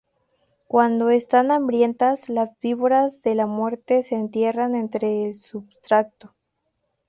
Cuando están hambrientas, las víboras de la muerte se entierran entre el substrato.